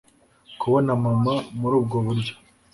Kubona Mama muri ubwo buryo